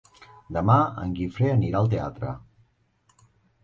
Demà en Guifré anirà al teatre.